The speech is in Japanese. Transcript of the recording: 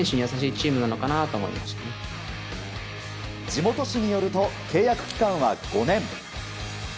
地元紙によると契約期間は５年。